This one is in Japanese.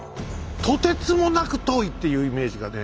とてつもなく遠いっていうイメージだね。